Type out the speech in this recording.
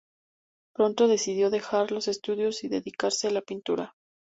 Pronto decidió dejar los estudios y dedicarse a la pintura.